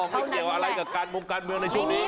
ไม่เกี่ยวอะไรกับการมงการเมืองในช่วงนี้